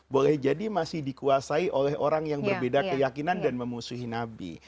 boleh jadi masih dikuasai oleh orang yang berbeda keyakinan dan memusuhi nabi